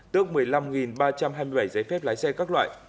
tước một mươi năm ba trăm hai mươi bảy giấy phép lái xe các loại